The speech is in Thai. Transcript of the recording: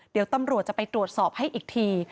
เดี๋ยวตำรวจจะไปตรวจสอบให้อีกที